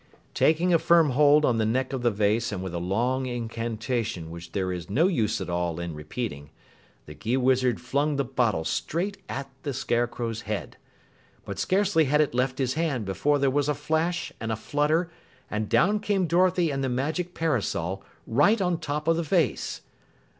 Taking a firm hold on the neck of the vase and with a long incantation which there is no use at all in repeating, the Gheewizard flung the bottle straight at the Scarecrow's head. But scarcely had it left his hand before there was a flash and a flutter and down came Dorothy and the magic parasol right on top of the vase.